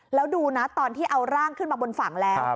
แล้วดูนะตอนที่เอาร่างขึ้นมาบนฝั่งแล้ว